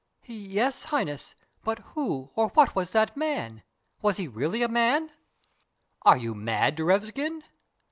"Yes, Highness but who or what was that man? Was he really a man?" "Are you mad, Derevskin?"